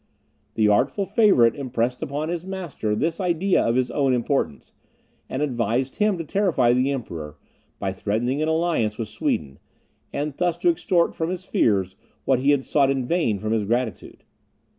The artful favourite impressed upon his master this idea of his own importance, and advised him to terrify the Emperor, by threatening an alliance with Sweden, and thus to extort from his fears, what he had sought in vain from his gratitude.